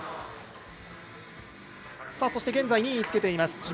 そして、現在２位につけています